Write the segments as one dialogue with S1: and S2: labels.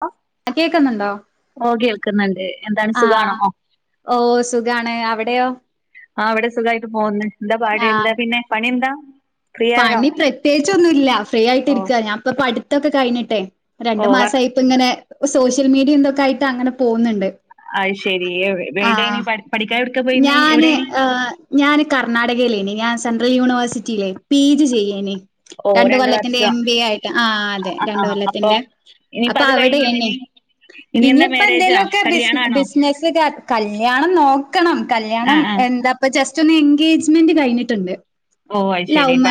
S1: അ
S2: അ കേക്കുന്നുണ്ടോ
S1: ഇപ്പോ കേൾക്കുന്നുണ്ട് എന്താണ് സുഖാണോ
S2: ആഹ്
S1: ഓ
S2: ഓ സുഖാണ് അവിട് ടെയോ
S1: ആ ഇവിടെ സുഖായിട്ട് പോന്ന് എന്താ പാട്
S2: ആഹ്
S1: എന്താ പിന്നെ പണിയുണ്ടാ
S2: പണി പ്രത്യേകിച്ചൊന്നുല്ല ഫ്രീ ആയിട്ട്
S1: ഓ
S2: ഇരിക്ക്ആ ഞാൻ പ്പൊ പഠിത്തൊക്കെ കഴിഞ്ഞിട്ട് ട്ടെ
S1: ഓ
S2: രണ്ടു
S1: വ
S2: മാസായിപ്പ ഇങ്ങനെ സോഷ്യൽ മീഡിയും തൊക്കായിട്ട് അങ്ങനെ പോവുന്നുണ്ട്
S1: അയ്ശരി വേടെയാണ് പഠി പഠിക്കാൻ എട്
S2: ഞാന് ആ് ഞാന് കർണാടക ലെന് ഞാൻ സെൻട്രൽ യൂണിവേഴ്സിറ്റിയിലേ പി ജി ചെയ്യെന്
S1: ഓ
S2: രണ്ട് കൊല്ലത്തിന്റെ എം
S1: വർഷം
S2: ബി എ ആയിട്ട് ആ അതെ
S1: ആ ആ
S2: രണ്ട്
S1: അപ്പൊ
S2: കൊല്ലത്തിന്റെ
S1: ഇനിയിപ്പ
S2: അപ്പൊ
S1: അത് കഴിഞ്ഞു
S2: അവിടെയെന്ന്
S1: ഇനി ഇനി എന്താ
S2: ഇനിയിപ്പ എന്തേലു
S1: മാരേജാ
S2: ഒക്കെ ബിസി
S1: കല്യാണാണോ
S2: ബിസ്നെസ്സ് കല്യാണം നോക്ക് ക്കണം
S1: ആ
S2: കല്യാണം
S1: ആ
S2: എന്താപ്പ ജെസ് റ്റ് ഒന്ന് എൻഗേജ്മെന്റ് കഴിഞ്ഞ്ട്ടുണ്ട്
S1: ഓ അയ്ശരിപ്പ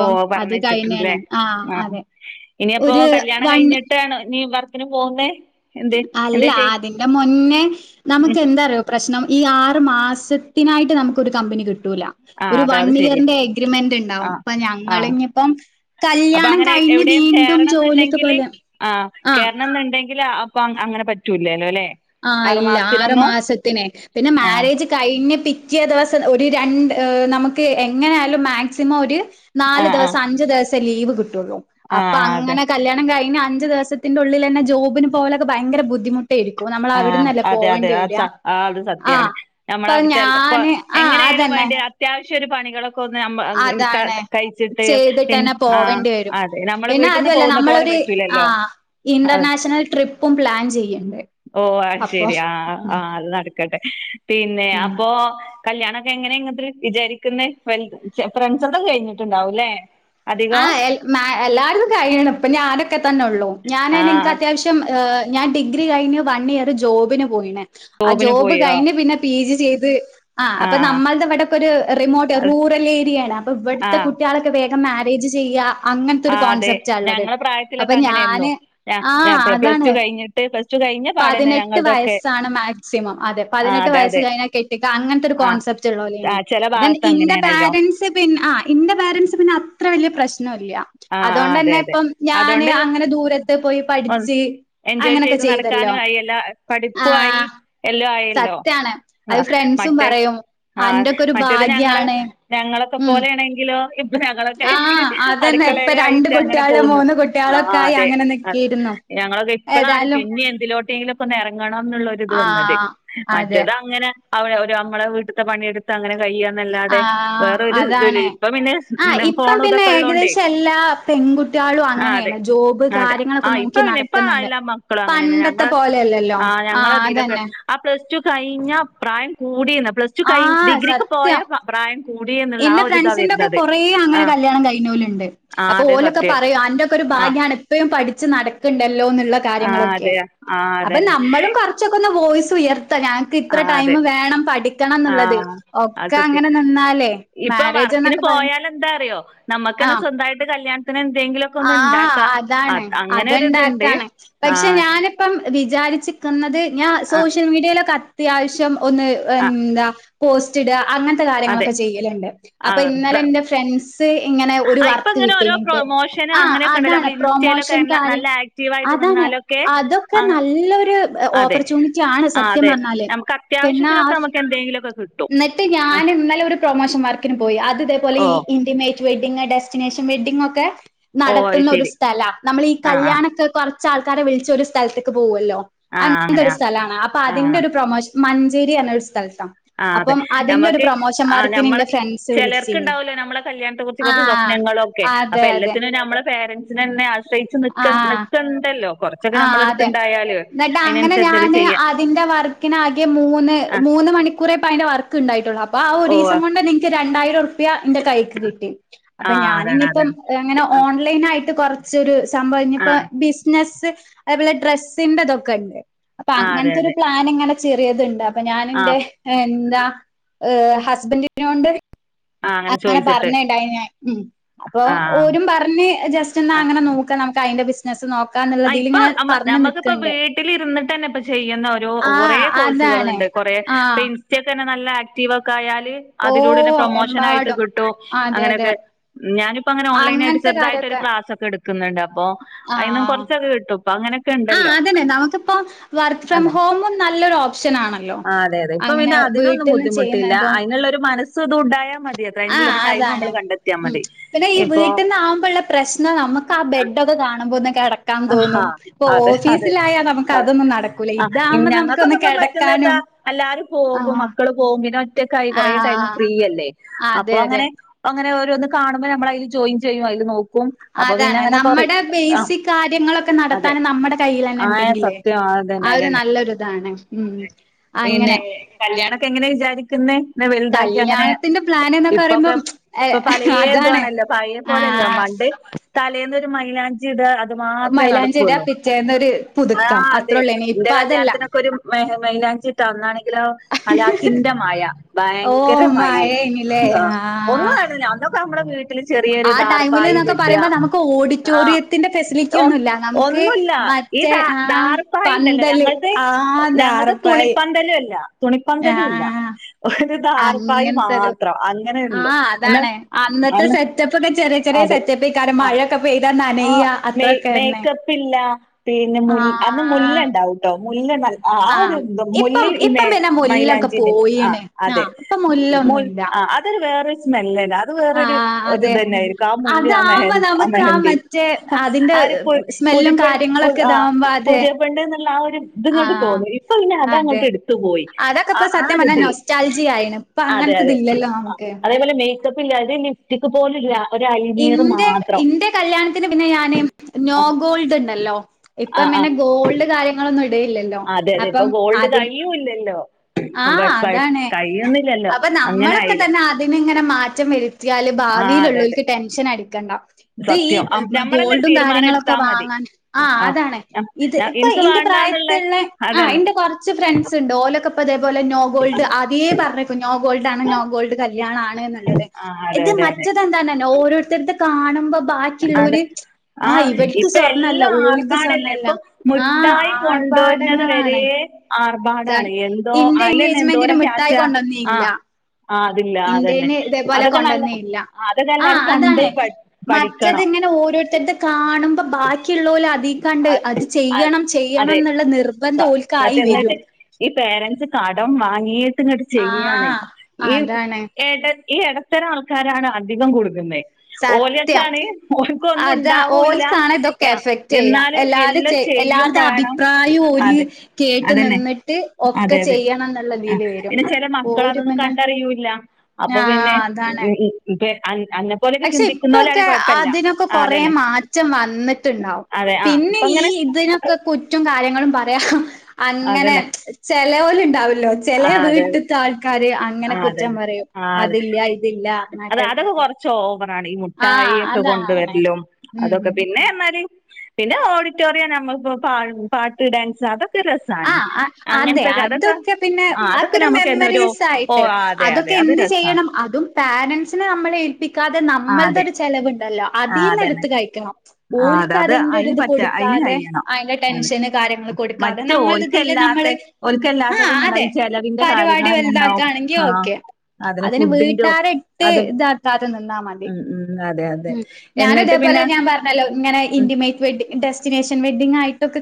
S1: ഓ
S2: അത്
S1: പറഞ്ഞ്
S2: കഴിഞ്ഞാണ്
S1: വച്ചിട്ടുല്ലേ. ആ
S2: അതെ
S1: ഇനിഅപ്പോ
S2: ഒരു
S1: കല്യാണം
S2: വൺ
S1: കഴിഞ്ഞിട്ടാണ് നി വർ കിന് പോന്നേ.
S2: അല്ല അതിന്റെ മുന്നേ
S1: ഉം
S2: നമുക്ക് എന്താറിയോ പ്രശ്നം. ഈ ആറ് മാസത്തിനായിട്ട് നമുക്കൊരു കമ്പനി കി കിട്ടൂല്ല
S1: ആ
S2: ഒരു
S1: അതാ
S2: വൺ
S1: അത് ശരിയാ
S2: ഇയറിന്റെ എഗ്രിമെന്റ് ഇണ്ടാവും.
S1: ആഹ്
S2: അപ്പൊ ഞങ്ങള്
S1: ആഹ്
S2: ഇനിഇപ്പം
S1: അപ്പൊ
S2: കല്യാണം
S1: അങ്ങനെ
S2: കഴിഞ്ഞ്
S1: എവിടെയും
S2: വീണ്ടും
S1: കേറണം ന്നുണ്ടെങ്കില്
S2: ജോലിക്കപോലെ
S1: ആഹ്
S2: ആ
S1: പറ്റൂല്ലാല്ലോ അല്ലെ.
S2: ആ ഇല്ല ആറു മാസത്തിനെ പിന്നെ
S1: ആഹ്
S2: മാരേജ് കഴിഞ്ഞ പിറ്റേ ദിവസം ഒരു രണ്ട് നമുക്ക് എങ്ങനെ ആയാലും മാക്സിമം ഒരു നാല്
S1: ആഹ് ആഹ്
S2: ദിവസം അഞ്ചു ദിവസ് ത്ത ലീവ് കി ട്ടുള്ളു അപ്പൊ
S1: ആഹ് അതെ
S2: അങ്ങനെ കല്യാണം കഴിഞ്ഞ അഞ്ച് ദിവസത്തിന്റെഉളളിലന്നെ ജോബിന് പോകലക്കെ ഭയങ്കര ബുദ്ധിമുട്ടെ
S1: ആ അതെ അതെ അ സ ആ ഒരു സത്യാണ്
S2: ആഹ്
S1: ഞമ്മള
S2: ഇപ്പൊ
S1: അവിടുത്തെ എല്ലാ ഇപ്പ
S2: ഞാന് ആഹ്
S1: എങ്ങനെയാലും
S2: അതന്നെ
S1: വേണ്ടി അത്യാവ ശ ഒരു പണികളൊ
S2: അതാണ്
S1: പിന്നെ
S2: ചെയ്തിട്ടന്നെ
S1: ആഹ്
S2: പോവേണ്ടി വരും.
S1: അതെ നമ്മളെ
S2: പിന്നെ
S1: വീട്ടിൽന്ന്
S2: അതുല്ല
S1: പോകുന്ന പോലെ
S2: നമ്മളൊരു ആ
S1: പറ്റൂലല്ലോ അത്
S2: ഇന്റർനാഷണൽ ട്രിപ്പും പ്ലാൻ ചെയ്യണ്ട്.
S1: ഓ അശരി ആ ആ അള്ള അട്ക്ക്‌ കട്ടെ പിന്നെ
S2: ഉം
S1: അപ്പൊ കല്യാണൊക്കെ എങ്ങനെ ഇങ്ങന്‌ത്തെഒരു വിചാരിക്കുന്നേ. ഫ്രണ്ട്സ്സൊക്കെ കഴിഞ്ഞിട്ടുണ്ടാവൂല്ലേ.
S2: ആ എൽ മ എല്ലാരും കഴിയണം. ഇപ്പൊ ഞാനൊക്കെ തന്നെ ഒള്ളൂ.
S1: ആ
S2: ഞാനന്നെ ഇന്ക്ക് അത്യാവശ്യം ഞാൻ ഡിഗ്രി കഴിഞ്ഞ് വൺ ഇയർ ജോബിന് പോയിണ്. ആ
S1: ജോബിന്
S2: ജോബ്
S1: പോയോ
S2: കഴിഞ്ഞ് പിന്നെ പി ജി ചെയ്ത്. ആ അപ്പ നമ്മൾടെ ഇവിടെക്കെ ഒരു റിമോട്ട്
S1: അത്
S2: റൂറൽ ഏരിയയാണ് അപ്പൊ
S1: ആ
S2: ഇവിടുത്തെ കുട്ടികളൊക്കെ വേ ക്ക മാ റേജ് ചെയ്യാ
S1: ആ അതെ
S2: ഇള്ളത് അപ്പൊ
S1: ഞങ്ങളപ്രായത്തിലൊക്കെ അങ്ങനെയ്ന്നു.
S2: ഞാന്
S1: ഞാ ഞാ
S2: ആഹ്
S1: പ്ല
S2: അതാണ്
S1: പ്ലസ്ടുകൈഞ്ഞിട്ട് പ്ലസ് ടു കഴിഞ്ഞ പാടന്നെ
S2: പതിനെട്ട്
S1: ഞങ്ങളതൊക്കെ
S2: വയസ്സാണ് മാക്സിമം. അതെ
S1: ആ
S2: പതിനെട്ട്
S1: അതെ
S2: വയസ്സ്
S1: അതെ
S2: കഴിഞ്ഞാ കെട്ടി ക്ക അങ്ങൻത്തെ ഒരു
S1: ആ
S2: കോൺസെപ്റ്റ്
S1: ആ
S2: ഉള്ളൊരെയ്നി.
S1: ചെല
S2: പിന്നെ
S1: ഭാഗത്ത്
S2: ഇന്റെ
S1: അങ്ങനെയാണല്ലോ
S2: പാരൻസ് പിൻ ആ ഇന്റെ പാരൻറ്സ് പിന്നെ അത്ര വല്യ പ്രശ് നൊന്നൂല്യ.
S1: ആ ആ അതെ
S2: അതോണ്ടന്നെ
S1: അതെ
S2: ഇപ്പം ഞാന്
S1: അതോണ്ട്
S2: അങ്ങനെ ദൂരത്ത് പോയി പഠിച്ച് അങ്ങനൊക്കെ ചെയ്
S1: ക്കാനുആയി. എല്ല പഠിപ്പുആയി എല്ലാം ആയല്ലോ.
S2: സത്യാണ്.
S1: ആ
S2: അത് ഫ്രണ്ട്സും
S1: മറ്റേ
S2: പറയും
S1: ആ
S2: അന്റൊക്കൊരു
S1: മറ്റേത് ഞങ്ങള
S2: ഭാഗ്യാണ്.
S1: ഞങ്ങളൊക്കെ
S2: ഉം.
S1: പോലെണെങ്കിൽ [unintelligible] ഞങ്ങളൊക്കെ
S2: ആഹ് അതന്നെ ഇപ്പ
S1: അടുക്കളെല്
S2: രണ്ട്
S1: ആയിട്ട് അങ്ങനെ
S2: കുട്ട്യാള്
S1: പോകുന്നു
S2: മൂന്ന്
S1: ആ ആ
S2: കുട്ട്യാളൊക്കായി
S1: അതെ
S2: അങ്ങനെ
S1: അ
S2: നിക്കേരുന്നു.
S1: ഞങ്ങളൊക്കെ ഇപ്പഴാണ്
S2: ഏതായാലും
S1: പിന്നിം എന്തിലോട്ടേലുംഒക്ക ഒന്ന് എറ വേണം എന്നുള്ള ഒരിത് വന്നത്
S2: ആഹ് അതെ.
S1: മറ്റേത് അങ്ങനെ അവെ ഒരു അമ്മളെ വീട്ട്ത്തെ പണിയെടുത്ത അങ്ങനെ കയ്യ പിന്നെല്ലാതെ
S2: ആഹ്
S1: വേറൊരു തുല്യ
S2: അതാണ്.
S1: ഇപ്പ പിന്നെ
S2: ആഹ്
S1: പിന്നെ
S2: ഇപ്പം
S1: ഫോണും
S2: പിന്നെ
S1: തൊക്കെ ഉള്ളോണ്ടേ
S2: ഏകദേശം എല്ലാ പെൺകുട്ട്യാകളും
S1: ആ അതെ
S2: അങ്ങനേണ് ജോബ്
S1: അതെ ആ
S2: കാര്യങ്ങളൊക്കെ
S1: ഇപ്പൊ
S2: നോക്കി
S1: പിന്നെ ഇപ്പ
S2: നടക്കുന്നുണ്ട്
S1: എല്ലാ മക്കളും അങ്ങനെന്നെ
S2: പണ്ടത്തെ
S1: ഞങ്ങള്
S2: പോലെയല്ലല്ലോ ആ അതന്നെ
S1: [unintelligible] കൈഞ്ഞ പ്രായം കൂടിന്ന് പ്ലസ് ടു കഴിഞ്ഞ് ഡിഗ്രിക്ക് പോയാ പ പ്രായം കൂടി എന്നുള്ള ആ
S2: ഇന്റെ
S1: ഒരിതാ
S2: ഫ്രണ്ട്സിന്റെ ഒക്കെ
S1: വരുന്നത്
S2: കുറേ
S1: ആ
S2: അങ്ങനെ കല്യാണം കൈഞ്ഞോല്ണ്ട് ണ്ട്.
S1: ആ
S2: അപ്പൊ
S1: അതെ
S2: ഓലൊക്കെ
S1: സത്യം
S2: പറയും അന്റെഒക്കെ ഒരു
S1: ആ
S2: ഭാഗ്യാണ് പ്പഴും പഠി ച്ച് നടക്ണ്ടല് ലോ ന്ന്ള്ള
S1: ആ
S2: കാര്യങ്ങളോക്കെ
S1: അതെ ആ
S2: അപൊ
S1: അതന്നെ
S2: നമ്മളും കൊറ്ച്ചോക്കൊന്ന് വോയ്സ് ഉയർത് ത. ഞങ്ങക്ക് ഇത്ര
S1: ആ അതെ
S2: ടൈമ് വേണം പഠിക്കണം
S1: ആ
S2: എന്നുള്ളത്
S1: ആ
S2: ഒക്കെ
S1: സത്യം
S2: അങ്ങനെ നിന്നാലേ
S1: ഇപ്പം
S2: മാരേജ്
S1: വർക്കിന്
S2: എന്നൊക്കെ പറയും
S1: പോയാലെന്താറിയോ നമുക്ക്ന്നെ സ്വന്തായിട്ട് കല്യൺ
S2: ആഹ് അതാണ്.
S1: അങ്ങനെ ഒരിതുണ്ട്
S2: അത്ണ്ടാക്കാണ്
S1: ആ
S2: പക്ഷെ ഞാനിപ്പം വിചാരിച് ക്കുന്നത് ഞ
S1: ആ
S2: സോഷ്യൽ മീഡിയിലൊക്ക ത്യാവശ്യം ഒന്ന്
S1: ആ
S2: എന്താ പോസ്റ്റ് ഇടുക അങ്ങനത്തെ
S1: അതെ
S2: കാര്യങ്ങളൊക്കെ ചെയ്യലുണ്ട് അപ്പൊ ഇന്നലെ
S1: ആ
S2: എന്റെ ഫ്രണ്ട്സ് ഇങ്ങനെ ഒരു വർക്ക് കിട്ടിന് നിക്ക്
S1: അങ്ങനൊക്കെ ഇണ്ടല്ലോ നമ്മള് ഇൻസ്റ്റയില് ഒക്കെ നല്ല ആക്ടീവായിട്ട്
S2: അതാണ്
S1: നിന്നാല് ഒക്കെ
S2: അതൊക്കെ നല്ലൊരു
S1: അതെ
S2: ഓപ്പർച്യൂണിറ്റി ആണ്
S1: ആഹ്
S2: സത്യം
S1: അതെ
S2: പറഞ്ഞാല്
S1: നമക്ക്
S2: പിന്നെ ആ
S1: അത്യാവശത്തിനൊക്കെ നമക്ക് എന്തെലും
S2: എന്നിട്ട് ഞാന് ഇന്നലെ ഒരു പ്രൊമോഷൻ വർക്കിന് പോയി അത് ഇതേപോലെ
S1: ഓ
S2: ഈ ഇൻ്റിമേറ്റ് വെഡിങ് ഡസ്റ്റിനേഷൻ വെഡിംഗ് ഒക്കെ
S1: ഓ അത്
S2: നടത്തുന്ന ഒരു
S1: ശരി
S2: സ്ഥല നമ്മൾ ഈ
S1: ആ ആ
S2: കല്യാണൊക്കെ കൊറ ച്ച് ആൾക്കാരെ വിളിച്ച് ഒരു സ്ഥത്തേക്ക് പോകുവാ ല്ലോ
S1: ആ
S2: അങ്ങനത്തെ
S1: അങ്ങനെ
S2: ഒരു
S1: ആ
S2: സ്ഥലമാണ് അപ്പൊ
S1: ആ
S2: അതിന്റെ ഒരു പ്രൊമോഷൻ മഞ്ചേരി എന്ന ഒരു സ്ഥലത്ത
S1: ആഹ് അതെ ഞമ്മക്ക് ആഹ്
S2: വർക്കിന്
S1: ഞമ്മൾ
S2: എന്റെ ഫ്രണ്ട്സ്
S1: ചിലർക്ക്
S2: വിളിച്ചിനി
S1: ഉണ്ടാവല്ലോ ഞമ്മളെ കല്യാണത്തെ കുറിച്ച്
S2: ആ
S1: കുറച്ച് സ്വപ്നങ്ങളുമൊക്കെ അപ്പൊ
S2: അതെ അതെ
S1: എല്ലാത്തിനും ഞമ്മള് പേരൻ്റ്സിന് തന്നെ ആശ്രയിച്ച്
S2: ആ
S1: നിക്ക നിക്കണ്ടല്ലോ കുറേ
S2: ആഹ് അതെ എന്നിട്ട് അങ്ങനെ
S1: അതിനനുസരിച്ചൊക്കെ
S2: ഞാന്
S1: ചെയ്യാം
S2: അതിന്റെ വർക്കിന് ആകെ മൂന്ന്
S1: ആ
S2: മൂന്ന് മണി കുറെ ഇപ്പോ അയിന്റെ വർക്ക് ഉണ്ടായിട്ടുള്ളു അപ് പ്പൊ ആ ഒരീസം
S1: ഓ
S2: കൊണ്ട് നിക്ക് രണ്ടായിരം റുപ്യ ഇന്റെ കൈക്ക് കിട്ടി അപ്പൊ
S1: ആഹ്
S2: ഞാന്
S1: അതാണ്
S2: ഇനിയിപ്പം
S1: അതാണ്
S2: അങ്ങനെ ഓൺലൈൻ ആയിട്ട് കുറച്ചൊരു [unintelligible] കഴിഞ്ഞപ്പോ
S1: ആഹ്
S2: ബിസിനസ് അതേപോലെ ഡ്രെസ്സിന്റെ ഇതൊക്കെ ണ്ട് അപ്പൊ
S1: ആഹ് അതെ
S2: അങ്ങനത്തെ ഒരു
S1: അതെ
S2: പ്ലാൻ ഇങ്ങനെ ചെറിയത്ണ്ട് അപ്പൊ ഞാന് എന്റെ
S1: ആഹ്
S2: എന്താ ഹ് ഹസ്ബൻഡിനെനൊണ്ട്
S1: ആഹ്
S2: അങ്ങനെ
S1: ചോയിച്ചിട്ട്
S2: പറഞ്ഞുണ്ടായി ഞാൻ അപ്പൊ
S1: ആഹ്
S2: ഓരും പറഞ്ഞ് ജസ്റ്റ് ഒന്ന്
S1: ആഹ്
S2: അങ്ങനെ നോക്കാ നമുക്ക് അയിൻ്റെ ബിസിനസ് നോക്ക ക്കാന്നുള്ള
S1: പ്പ നമക്കിപ്പ വീട്ടിൽ ഇരുന്നിട്ട് തന്നെ ഇപ്പ ചെയ്യ [unintelligible] കൊറേ
S2: ആഹ് അതാണ്
S1: കോഴ്‌സ്കളുണ്ട് കുറേ ഇപ്പോ
S2: ആഹ്
S1: ഇൻസ്റ്റേതന്നെ നല്ല ആക്റ്റീവ് ഒക്കെ ആയാലും ല്
S2: ഓ
S1: അതിലുടെ തന്നെ പ്രമോഷൻ ആയിട്ട്
S2: എമ്പാടും
S1: കിട്ടും
S2: അതെ
S1: അങ്ങനെ
S2: അതെ
S1: ഒക്കെ ഞാനിപ്പോ ഇപ്പോ അങ്ങനെ ഓൺൈനായിട്
S2: അങ്ങനത്തെ
S1: ചെറുതായിട്ട് ഒരു
S2: കാര്യൊക്കെ
S1: ക്ലസൊക്കെ എടു കു ന്നുണ്ട് അപ്പൊ അതിനും കൊറച്ച് കിട്ടും ഇപ്പൊ അങ്ങനെയൊക്കെ
S2: ആ
S1: ഇണ്ടല്ലോ
S2: അതന്നെ നമുക്കിപ്പോ വർക്ക് ഫ്രം
S1: അതന്നെ
S2: ഹോമും നല്ലൊരു ഓപ്ഷൻ ആണല്ലോ
S1: ആഹ് അതെ അതെ ഇപ്പൊ
S2: അങ്ങനെ
S1: പിന്നെ അതിനൊന്നും
S2: വീട്ടിൽന്ന്
S1: ബുദ്ധിമുട്ടില്ല
S2: ചെയ്യുന്നതോ
S1: അയിനുള്ളൊരു മനസ്സും ഇതും ഉണ്ടായാ മതി അത്ര
S2: ആ
S1: അയിനുള്ളൊരു ടൈം
S2: അതാണ്
S1: നമ്മള് കണ്ടെത്തിയാ
S2: മ്
S1: മതി
S2: പിന്നെ ഈ
S1: ഇപ്പൊ
S2: വീട്ടിൽന്ന ആകുമ്പോുള്ള പ്രശ്നം നമുക്ക് ആ ബെഡൊക്കെ കാണുമ്പോന്ന കെട ക്കാൻ
S1: ആഹാ
S2: തോന്നും ഇപ്പൊ
S1: അതെ അതെ
S2: ഓഫീസിലായാ നമുക്ക് അതൊന്നും നടക്കൂല
S1: ആഹ്
S2: ഇതമ്പോ നമുക്കൊന്ന്
S1: ഞങ്ങൾക്കൊക്കെ ഇപ്പം പറ്റുന്ന
S2: കിടക്കാനും ആ
S1: പിത ക്കയി കുറ ടൈമ ഫ്രീ അല്ലേ അപ്പൊ
S2: അതെ അതെ.
S1: അങ്ങനെ അങ്ങനെ ഒരോ ഒന്ന് കാണുമ്പോ നമ്മളയിലു ജോയിൻ ചെയ്യും അതില് നോക്കും ക്കും അപ്പൊ പിന്നെ
S2: അതാണ്
S1: അങ്ങനെ പറയ്
S2: നമ്മടെ
S1: ആ
S2: ബേസിക് കാര്യങ്ങളൊക്കെ നടത്തും നമ്മ ക
S1: ആ സത്യം അതന്നെ അതന്നെ
S2: നല്ലൊരിതാണ്. ഉം
S1: പിന്നെ
S2: അങ്ങനെ
S1: കല്യാണൊക്കെ എങ്ങനാ വിചാരിക്കുന്ന വലുതാക്കി അങ്ങനെ
S2: കല്യാണത്തിന്റെ പ്ലാന്ന്നൊക്കെ
S1: ഇപ്പൊക്കെ
S2: പറയുമ്പം ഏ
S1: ഇപ്പൊ പഴയേ
S2: അതാണ്.
S1: ഇതുവാണല്ലോ പഴയേ പോലെല്ലോ
S2: ആഹ്
S1: പണ്ട് തലേന്ന് മൈ ലാഞ്ചി ചെയത അത് മാത്രമേ
S2: മൈലാഞ്ചി ഇടാ
S1: നടക്കുള്ളൂ
S2: പിറ്റേന്നൊരു
S1: ആ
S2: പുതുക്കം
S1: അതെ
S2: അത്രേള്ളേനി ഇപ്പ
S1: എന്റെ
S2: അതല്ല
S1: കല്യാണത്തിനൊക്കെ ഒരു മെലാ ചിട്ടാ അന്നാണെങ്കിലോ ഹലാക്കിന്റെ മഴ ഭയങ്കര
S2: ഓഹ്
S1: മഴേന്
S2: മഴേനില്ലേ ആഹ്
S1: ഒന്നതാണ് ഞൻന്നൊക്കെ നമ്മുടെ വീട്ട
S2: ആ ടൈമില് എന്നൊക്കെ പറയുമ്പോ നമുക്ക്
S1: ആഹ്
S2: ഓഡിറ്റോറിയത്തിന്റെ ഫെസിലിറ്റി
S1: ഒ
S2: ഒന്നുമല്ല നമുക്ക്
S1: ഒന്നുല്ല ഈ
S2: മറ്റേ ആഹ്
S1: ധാർപ്പായ ഇല്ലല്ലോ
S2: പന്തല്
S1: ഞങ്ങുടെ
S2: ആഹ്
S1: ഞങ്ങളുടെ
S2: ദാർപ്പായി
S1: തുണിപ്പന്തലുംല്ല ഇല്ല തുണിപ്പന്തലും ഇല്ല
S2: ആഹ്
S1: ഒരു താർപ്പായി
S2: അങ്ങൻത്തൊരു
S1: മാത്രം അങ്ങനെള്ളു
S2: ആഹ്
S1: അ അന്ന് അതെ
S2: തെരെസത്യത കാര മഴക്കെെപെയ്ത
S1: ആ മേ മേക്കപ്പ് ഇല്ല പിന്നെ മു അന്ന് മുല്ല
S2: ആഹ്
S1: ഉണ്ടാവൂട്ടോ മുല്ല നൽ ആ ആ
S2: ആഹ്
S1: ഒരുന്തോ മുല്ല
S2: ഇപ്പം
S1: ഇമയ
S2: ഇപ്പം പിന്നെ മുല്ലൊക്കെ
S1: മൈലാഞ്ചിന്റെ ആ
S2: പോയീണ്
S1: അതെ
S2: ആഹ് ഇപ്പൊ
S1: മുല്ല
S2: മുല്ലൊന്നുല്ല
S1: ആ അതൊ വേറൊരു സ്മേലാണ് അത് വേറൊരു
S2: ആഹ് അതെ
S1: ഒരുത് തന്നെയ ആയിരിക്കും ആ മുല്ലി ആ
S2: അതാവുമ്പോ
S1: മെഹന് ആ
S2: നമുക്ക്
S1: മെഹന്തി
S2: മറ്റേ അതിന്റെ
S1: ആ ഒരു
S2: സ്മെല്ലും
S1: പുതിപ്പെൺ
S2: കാര്യങ്ങളൊക്കെ
S1: ആ
S2: ഇതാവുമ്പോ അതെ
S1: പുതിയ പെണ് എന്നുള്ള ആ ഒരു ഇത്ങ്ങോട്ട്
S2: ആഹ്
S1: തോന്നുന്നു ഇപ്പൊ പിന്നെ അത
S2: അതെ
S1: അങ്ങോട്ട് എടുത്തു പോയി
S2: അതൊക്കെ
S1: ആ
S2: ഇപ്പൊ
S1: ആ
S2: സത്യം പറഞ്ഞാ
S1: ഒരുതിൽ
S2: നൊസ്റ്റാൾജി ആയിണ് ഇപ്പൊ
S1: അതെ അതെ
S2: അങ്ങനത്തെതില്ലല്ലോ നമുക്ക്
S1: അതേപോലെ മെ ഇപ്പ [unintelligible] ലിപ്സ്റ്റിക് പോലുല്ല
S2: ഇന്റെ ഇന്റെ കല്യാണത്തി പിന്നെ ഞാന് നോ ഗോൾഡ് ഉണ്ടല്ലോ ഇപ്പെ
S1: ആ ആ
S2: പിന്നെ ഗോൾഡ് കാര്യങ്ങള
S1: അതെ അതെ ഇപ്പൊ ഗോൾഡ് കയ്യും ഇല്ലല്ലോ
S2: ആഹ അതാണ് അപ്പൊ
S1: അങ്ങനെ
S2: നമ്മളൊക്കെ
S1: ആയില്ലേ
S2: തന്നെ അതി ഇങ്ങനെ മാറ്റം വരുത്തി യാല്
S1: ആ അതെ അതെ
S2: ഭാവിയിലുള്ളല്ക്ക് ടെൻഷൻ അ ചെണ്ട ഇത്
S1: സത്യം അം-
S2: ഈമ
S1: നമ്മളന്നെ ഒരു
S2: ഗോൾഡും
S1: തീരുമാനം
S2: കാര്യങ്ങളൊക്കെ
S1: എടുത്താ മതി
S2: വാങ്ങാൻ ആ അതാണ്
S1: ഞ-
S2: ഇത്
S1: ഞ-
S2: ഇപ്പൊ
S1: എനിക്ക്
S2: ഇന്റെ
S1: വേണ്ടാന്നുള്ള
S2: പ്രായത്തിള്ള ആ
S1: അതന്നെ
S2: എന്റെ കുറച്ച് ഫ്രണ്ട്സ് ഉണ്ട് ഓലൊക്കെ പ്പ തേ പോലെ നോ ഗോൾട് ആദ്യേ പറഞ്ഞിക് നോ ഗോൾഡാണ് നോ ഗോൾഡ് ക ല്യാണാണ്ന്ന്ള്ളത്
S1: ആ അതെ
S2: ഇത്
S1: അതെ അതെ
S2: മറ്റത് എന്താർഞ്ഞെര്നൊ ഓരോരുത്തര് ത് കാണുമ്പോ
S1: അതെ
S2: ബാക്കിയുള്ളോര് ആ
S1: ആഹ്
S2: ഇവൾക്ക്
S1: ഇപ്പൊ
S2: സ്വർണ്ണല്ല
S1: എല്ലാം
S2: ഓൽക്ക്
S1: ആർഭാടല്ലേ
S2: സ്വർണ്ണല്ല
S1: പ്പൊ
S2: ആ
S1: മുട്ടായി കൊണ്ടുരുന്നത് വരെ ആർ
S2: ത ഇന്റെ എൻഗേജ്മെന്റിന് മിട്ടായി
S1: ക്യാഷാ ആ
S2: കൊണ്ടന്നില്ല
S1: ആ അതില്ല അതന്നെ അതൊക്കെ നല്ല
S2: കൊണ്ടുവന്നില്ല
S1: അതൊക്കെ എല്ലരും കണ്ട് പട്
S2: മറ്റത്ങ്ങനെ ഓരോരുത്തര്ത്ത് കാണുമ്പോ ബാക്കിയുള്ളോ ല കണ്ട് അത് ചെയ്യണം ചെയ്യണം
S1: അതെ
S2: എന്നുള്ള നിർബന്ധം ഒരുക്കായി
S1: സത്യം
S2: വരും
S1: നീട് ങ്ങട്ട് ചെയ്യാണ്
S2: ആഹ് അതാണ്
S1: ഈഎടെ ഈ എടത്തരം ആൾക്കാരാണ് അധികം കൊടുക്കുന്നേ
S2: സത്യം
S1: ഓലക്കാണ് ഓൽക്കൊന്നും
S2: അതാ
S1: ഉണ്ടാവൂല്ല
S2: ഓൽക്കാണ് ഇതൊക്കെ എഫ ചെയ്യ
S1: എന്നാലും
S2: എല്ലാരും
S1: എല്ലാം
S2: ചെ
S1: ചെയ്യും
S2: എല്ലാര്ത
S1: വേണം
S2: അഭിപ്രായുലി
S1: അതെ
S2: കേട്ടു
S1: അതന്നെ
S2: നിന്നിട്ട്
S1: അതെ
S2: ഒക്കെ
S1: അതെ
S2: ചെയ്യണം
S1: ആ
S2: ന്നുള്ളതില് വരും
S1: പിന്നെ ചില മക്കൾ
S2: ഓര്
S1: അതൊന്നും
S2: പിന്നെ
S1: കണ്ടറിയൂല്ല
S2: ആഹ് അതാണ്
S1: അലി
S2: പക്ഷെ ഇപ്പൊക്കെ അതിനൊക്കെ
S1: ആ
S2: കൊറേ
S1: അതന്നെ
S2: മാറ്റം വന്ന്ട്ട് ണ്ടാ ഔ
S1: അതെ ആ
S2: പിന്നെ
S1: അപ്പ
S2: ഈ
S1: അങ്ങനെ
S2: ഇതിനൊക്കെ കുറ്റും കാര്യ ങ്ങളും പറയാ അങ്ങനെ
S1: അതന്നെ
S2: ചെ ലെ ഓല് ണ്ടാവ് ല്ലോ ചെലെ
S1: ആഹ് അതെ
S2: വീട്ടിത്തെ ആൾക്കാര്
S1: ആ
S2: അങ്ങനെ
S1: അതെ
S2: കുറ്റം പറയും
S1: ആഹ്
S2: അതില്ല ഇതില്ലാ ന്നേട്ട്
S1: ചോക് വാറാണി ഈ മുട്ടായി ഒക്കെ കൊണ്ട് വര്ലും
S2: ഉം
S1: അതൊക്കെ
S2: ഉം.
S1: പിന്നെ ന്നാല് പിന്നെ ഓഡിറ്റോറിയ നമ്മളുപ്പോ പാ പാട്ട് ഡാൻസ് അതൊ
S2: ആ അ അതെ അതൊക്കെ പിന്നെ ഹേ
S1: ആ അതൊക്കെ
S2: അതൊരു
S1: നമുക്ക് എന്നും ഒരു
S2: മെമ്മറീസ്
S1: ഓ
S2: ആയിട്ട്
S1: അതെ അതെ
S2: അതൊക്കെ
S1: അത്
S2: എന്ത്
S1: രസാ
S2: ചെയ്യണം അതും പാരൻസിനെ നമ്മള് ഏൽപ്പിക്കാതെ
S1: ആ അതെ
S2: നമ്മൾടൊരു ചെലവുണ്ടല്ലോ
S1: ആഹ് അതന്നെ
S2: അതിന്നേടുത്തു കയിക്കണം
S1: ആഹ് അത
S2: ഓൽക്ക്‌
S1: അത്
S2: അതിന്റെ ഒരു
S1: അയിന്
S2: ഇത്
S1: പറ്റ അയിന്
S2: കൊടുക്കാതെ അയിന്റെ ടെൻഷൻ കാര്യങ്ങള് കൊടുക്കാ
S1: ത്യം ഓൽക്ക്‌ അല്ലാതെ ഓൽക്ക്‌ അല്ലാത്തതന്നെ ണ്ടാവും
S2: പരിവാടി വലുതാക്കാൻ താക്കാണെങ്കി
S1: ആഹ്
S2: ഓക്കേ അതിന് വീട്ടാരെ ഇട്ട്
S1: അത്
S2: താക്കാതെ നിന്നാ മതി
S1: ഉം ഉം അതെ അതെ
S2: ഉം ഞാൻ
S1: എന്നിട്ട്
S2: അതെ പോലെ
S1: പിന്നെ
S2: ഞാൻ പറഞ്ഞല്ലോ ഇങ്ങനെ
S1: ഉം
S2: ഇന്റിമേറ്റ് വെഡ്ഢി ഡെസ്റ്റിനേഷൻ വെഡിങ് ആയി് തൊക്കെ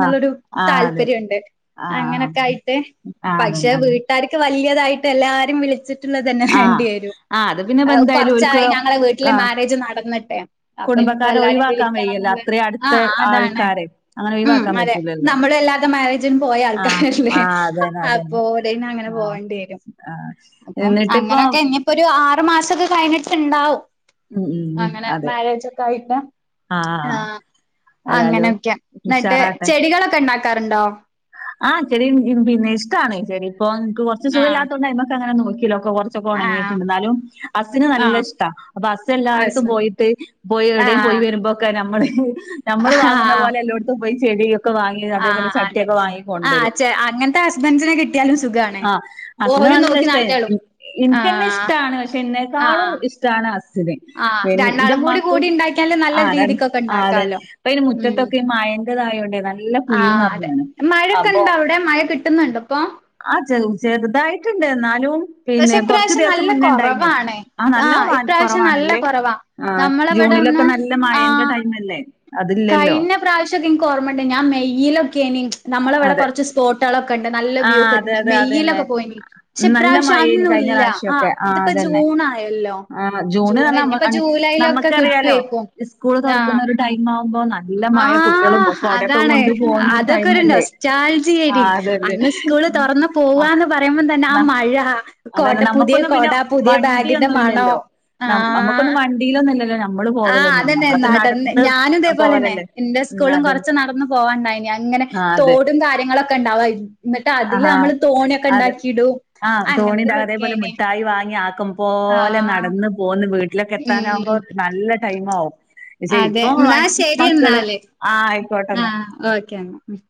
S1: ആഹ് ആഹ് അതെ
S2: താല്പര്യണ്ട്
S1: ആഹ്
S2: അങ്ങനക്കായിട്ട്
S1: ആഹ്
S2: പക്ഷെ
S1: അതന്നെ അതന്നെ
S2: വീട്ടാര്ക് പറ്റ് വലിയതായിട്ട് എല്ലാരേം വിളിച്ചി തന്നെ
S1: ആഹ്
S2: വേണ്ടി വരും
S1: ആഹ് അത് പിന്നെ ഇപ്പ എന്തായാലും ഓൽക്ക്
S2: കുറച്ചായി ഞങ്ങള വീട്ടില് മാ
S1: ആഹ്
S2: ജ് നടന്നിട്ടെ അപ്പൊ ഇനിയിപ്പോ
S1: കുടുംബക്കാരെ
S2: എല്ലാരും
S1: ഒഴിവാക്കാൻ വയ്യല്ലോ
S2: വിളിക്കണന്നുള്ള
S1: അത്രയും
S2: ആ
S1: അടുത്ത
S2: അതാണ്
S1: ആൾക്കാരെ അങ്ങനെ
S2: ഉം
S1: ഒഴിവാക്കാൻ
S2: അതെ
S1: പറ്റൂലല്ലോ
S2: നമ്മളും എല്ലാരേം മാരേജിനും പോയ
S1: ആഹ്
S2: ആൾക്കാരല്ലേ
S1: ആഹ് അതന്നെ അതന്നെ
S2: അപ്പൊ ഇതിനും അങ്ങനെ
S1: ആഹ്
S2: പോകേണ്ടി വരും
S1: ആഹ്
S2: അപ്പം
S1: എന്നിട്ടിപ്പോ
S2: അങ്ങനൊക്കെ ഇഞ്ഞിപ്പോരു ആറ് മാസൊക്കെ കഴിഞ്ഞിട്ടുണ്ടാവും
S1: ഉം ഉം
S2: അങ്ങനെ
S1: അതെ
S2: മാരേജ ഒക്കെ ആയിട്ട്
S1: ആഹ്
S2: ആ
S1: ഏതായാലും
S2: അങ്ങനെയൊക്കെ എന്നിട്ട്
S1: ഉഷാറാട്ടെ
S2: ചെടികളൊക്കെ ഉണ്ടാക്കി വി ളി ക്കാറുണ്ടോ
S1: ആഹ് ചെടി പിന്നെ ഇഷ്ട്ടാണ് ചെടി ഓൻക്ക് കൊർച്
S2: ആഹ്
S1: സുഖല്ലാത്തോണ്ട് അയ്മക്ക് അങ്ങനൊന്നും പോ [unintelligible] [unintelligible] കൊറച്ചൊക്കെ
S2: ആഹ്
S1: ഒണങ്ങിട്ടുണ്ട് ന്നാലും ഹസ്സിന്
S2: ആഹ്
S1: നല്ലഷ്ട്ട അപ്പൊ ഹസ്സെല്ലാടത്തും
S2: ഹസ്ബൻ
S1: പോയിട്ട് പോയി എവിടേം പോയി
S2: ആഹ്
S1: വരുമ്പോക്കെ നമ്മള് [unintelligible] നമ്മള് വാങ്ങുന്ന
S2: ആഹ്
S1: പോല എള്ളോടുത്തും പോയി [unintelligible] ഇപ്പോ വാങ്ങിയതാ അതേപോലെ
S2: ആഹ്
S1: ചട് റ്റൊക്കെ
S2: അതെ
S1: വാങ്ങി
S2: ആഹ്
S1: കൊണ്ടോരും
S2: ചെ അങ്ങൻത്തെ ഹസ്ബൻസിനെ കിട്ടിയാലും സുഖാണ്.
S1: ആഹ് ഹസ്സിന്
S2: ഓര്
S1: നല്ല
S2: നോക്കി നടത്തിയോളും.
S1: ഇഷ്ട്ടെനി ഇൻകന്നെ
S2: ആഹ്
S1: ഇഷ്ടാണ് പഷേ ഇന്നേക്കാളും
S2: ആഹ്
S1: ഇഷ്ട്ടാണ് ഹസ്സിന്
S2: ആഹ്
S1: പിൻ ന്റെ
S2: രണ്ടാളും കൂടി
S1: മ്മാക്കും
S2: കൂടി ഇണ്ടാക്കിയാല് നല്ല
S1: [unintelligible]
S2: രീതിക്കൊക്കെ ഇണ്ടാക്കാലോ.
S1: പ്പോ അയിന്
S2: ഉം
S1: മുറ്റത്തൊക്കെ ഈ മയ [unintelligible] ഇന്നലെ പോയി
S2: മഴൊക്കെയൂണ്ടോ അവ്ടെ കിട്ടുന്നുണ്ട് ഇപ്പൊ
S1: ആഹ് ചെറുതായിട്ടുണ്ട് എന്നാലും
S2: പക്ഷെ
S1: പിന്നെ കൊറച്ച
S2: ഇപ്രാവശ്യം
S1: ദിവസം
S2: നല്ല
S1: മുന്നേണ്ടായിന്
S2: കൊറവാണ്
S1: ആ
S2: ആഹ്
S1: നല്ല
S2: ഇപ്രാവശ്യം നല്ല
S1: കുറവാണല്ലേ
S2: കൊറവാ
S1: ആ
S2: നമ്മളെവിടെ
S1: ജൂണിലൊക്കെ
S2: ഒന്നും
S1: നല്ല മഴന്റെ
S2: ആഹ്
S1: ടൈമല്ലേ അതില്ലല്ലോ
S2: കഴിഞ്ഞ പ്രാവശ്യ ഒക്കെ എനിക്ക് ഓർമ്മമുണ്ട് ഞാൻ മെയയിലൊക്കെന നമ്മളെവിടെ
S1: അതെ
S2: കുറച്ച് സ്പോട്ടുകളൊക്കെ ഉണ്ട് നല്ല വ്യൂ
S1: ആഹ് അതെ
S2: കിട്ടണ്
S1: അതെ അതന്നെ
S2: മെയയിലൊക്കെ പോയിനി പക്ഷെ ഈ
S1: നല്ല
S2: പ്രാവശ്യം
S1: മഴേനി
S2: അന്നുംല്ല ആ ഇതിപ്പോ ജൂൺ ആയല്ലോ
S1: ആണ് ജൂണ്
S2: ജൂൺ
S1: തന്ന
S2: ഇനിയിപ്പോ ജൂലൈയിലൊക്കെ
S1: നമ്മുക്കറിയാലോ സ്കൂള് തുറക്കുന്ന ഒരു ടൈം ആ
S2: ആ അതാണ്
S1: കൊണ്ട് പോകുന്ന ഒരു
S2: അതൊക്കൊരു
S1: ടൈമല്ലേ
S2: നൊസ്റ്റാൾജിയേന്
S1: ആഹ് അതല്ലേ
S2: അന്ന് സ്കൂള് തുറന്ന് പോവാന്ന് പറയുമ്പം തന്നെ ആ
S1: ആഹ്
S2: മഴ
S1: അതന്നെ
S2: കൊട പുതിയ കൊട പുതിയ ബാഗിന്റെ മണം
S1: ല്ലോ നമ് നമുക്കൊന്നും വണ്ടിയിലൊന്നുംല്ലല്ലോ ഞമ്
S2: ആ അതന്നെ നടന്ന് ഞാനും ഇതേപോലെന്നെ
S1: പോവലല്ലേ
S2: എന്റെ
S1: ഉം
S2: സ്കൂളും
S1: അതന്നെ
S2: കൊറച്ച് നടന്ന് പോവാണ്ടായിന് അങ്ങനെ
S1: ആഹ് അതെ
S2: തോടും കാര്യങ്ങളൊക്കെ ഉണ്ടാവായിരുന്നു
S1: ആഹ് അതെ ആഹ് തോണിന്റെ അതേപോലെ
S2: അങ്ങനത്തതൊക്കേനി
S1: മിഠായി വാങ്ങി ആക്കും പോലെ
S2: ആഹ്
S1: നടന്ന് പോന്ന് വീട്ടിലൊക്കെ എത്താനാകുമ്പോ
S2: ഉം
S1: നല്ല ടൈമാവും ശെ
S2: അതെ
S1: ഇപ്പോ
S2: എന്നാ ശരി
S1: മക്കള് ആ ആയിക്കോട്ടെന്നാ
S2: ക്കെന്നാ ഉം